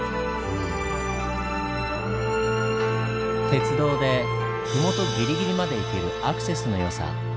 鉄道で麓ギリギリまで行けるアクセスのよさ。